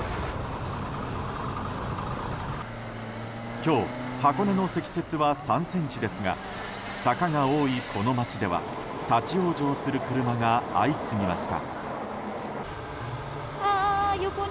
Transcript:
今日箱根の積雪は３ｃｍですが坂が多いこの町では立ち往生する車が相次ぎました。